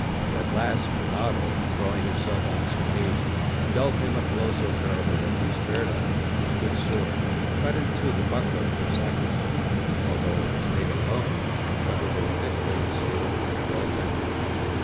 At last Rinaldo, throwing himself on the Circassian, dealt him a blow so terrible that Fusberta, his good sword, cut in two the buckler of Sacripant, although it was made of bone, and covered with a thick plate of steel well tempered.